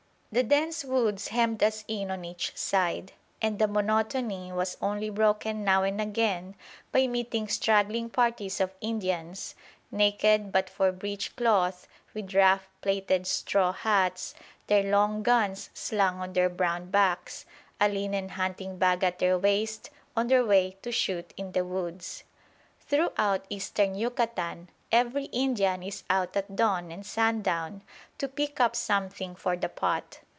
The dense woods hemmed us in on each side, and the monotony was only broken now and again by meeting straggling parties of Indians, naked but for breech cloth, with rough plaited straw hats, their long guns slung on their brown backs, a linen hunting bag at their waist, on their way to shoot in the woods. Throughout Eastern Yucatan every Indian is out at dawn and sundown to pick up something for the pot.